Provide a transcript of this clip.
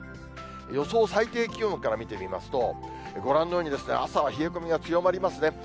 予想最低気温から見てみますと、ご覧のように、朝は冷え込みが強まりますね。